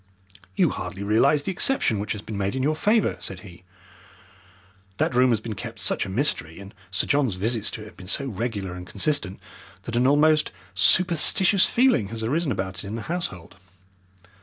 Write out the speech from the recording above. "You hardly realize the exception which has been made in your favour," said he. "That room has been kept such a mystery, and Sir John's visits to it have been so regular and consistent, that an almost superstitious feeling has arisen about it in the household.